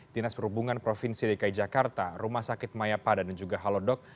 dinas perhubungan provinsi dki jakarta rumah sakit mayapada dan juga halodoc